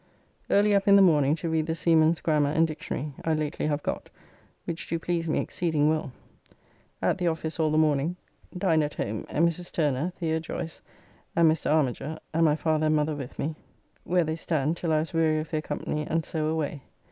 Early up in the morning to read "The Seaman's Grammar and Dictionary" I lately have got, which do please me exceeding well. At the office all the morning, dined at home, and Mrs. Turner, The. Joyce, and Mr. Armiger, and my father and mother with me, where they stand till I was weary of their company and so away.